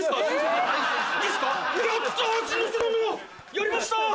やりました！